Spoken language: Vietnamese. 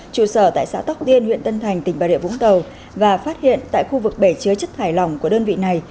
trụ sở tại xã tóc tiên huyện tân thành tỉnh bà rịa vũng tàu và phát hiện tại khu vực bể chứa chất thải lỏng của đơn vị này